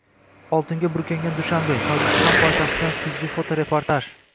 Oltinga burkangan Dushanbe: Tojikiston poytaxtidan kuzgi fotoreportaj